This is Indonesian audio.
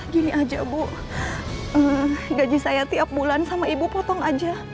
gini aja bu gaji saya tiap bulan sama ibu potong aja